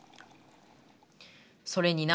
それにな